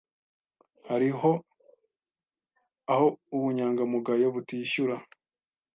Hariho aho ubunyangamugayo butishyura.